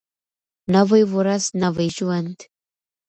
نوی ورځ نوی ژوند.